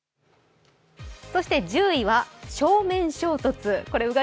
そして１０位は正面衝突。